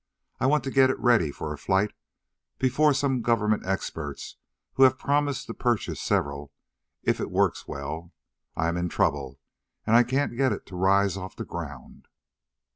I want to get it ready for a flight before some government experts who have promised to purchase several if it works well. I am in trouble, and I can't get it to rise off the ground.